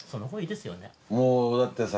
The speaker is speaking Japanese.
もうだってさ